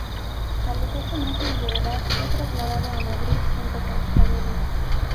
A los ocho meses de edad fue trasladado a Madrid junto con su familia.